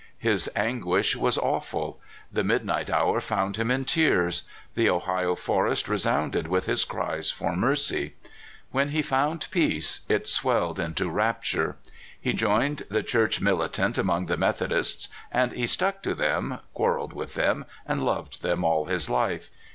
His anguish was aw ful. The midnight hour found him in tears. The Ohio forest resounded with his cries for mercy. When he found peace, it swelled into rapture. ^ He joined the Church militant among the Methodists, and he stuck to them, quarreled with them, and loved them all his life.